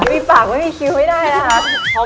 มีปากไม่มีคิ้วไม่ได้ละครับ